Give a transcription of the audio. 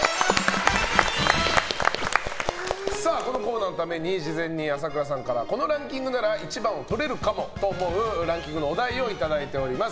このコーナーのために事前に朝倉さんからこのランキングなら１番をとれるかもと思うランキングのお題をいただいております。